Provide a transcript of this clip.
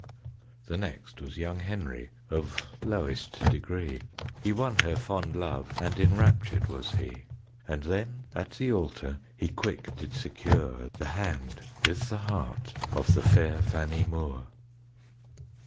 The next was young Henry, Of lowest degree. He won her fond love And enraptured was he; And then at the altar He quick did secure The hand with the heart Of the fair Fannie Moore.